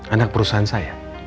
anak perusahaan saya